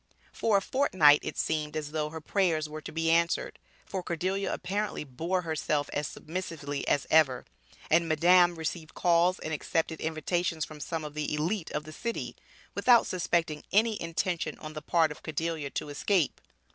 For a fortnight it seemed as though her prayers were to be answered, for Cordelia apparently bore herself as submissively as ever, and Madame received calls and accepted invitations from some of the elite of the city, without suspecting any intention on the part of Cordelia to escape.